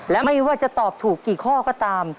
และไม่ว่าจะตอบถูกกี่ข้อก็ตาม